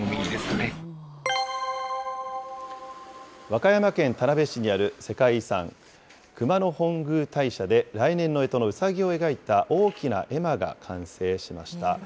和歌山県田辺市にある世界遺産、熊野本宮大社で来年のえとのうさぎを描いた大きな絵馬が完成しました。